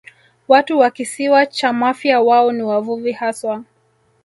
Watu wa Kisiwa cha Mafia wao ni wavuvi haswa